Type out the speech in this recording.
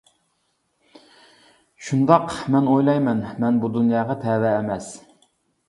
-شۇنداق مەن ئويلايمەن مەن بۇ دۇنياغا تەۋە ئەمەس.